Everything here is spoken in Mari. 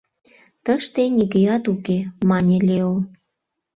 «Тыште нигӧат уке», – мане Лео.